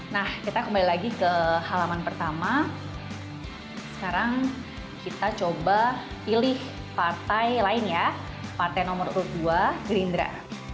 nah kita kembali lagi ke halaman pertama sekarang kita coba pilih partai lain ya partai nomor urut dua gerindra